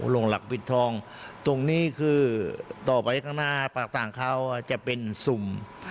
หลักปิดทองตรงนี้คือต่อไปข้างหน้าปากต่างเขาจะเป็นสุ่ม